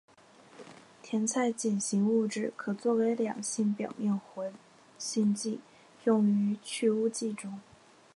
甜菜碱型物质可作为两性表面活性剂用于去污剂中。